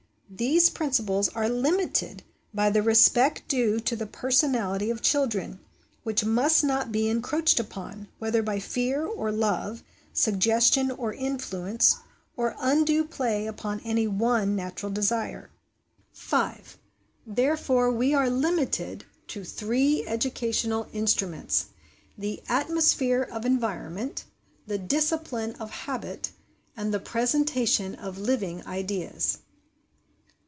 These principles are limited by the respect due to the personality of children, which must not be encroached upon, whether by fear or love, suggestion or influence, or undue play upon any one natural des're. 5. Therefore we are limited to three educational instruments the atmosphere of environment, the discipline of habit, and the presentation of living ideas.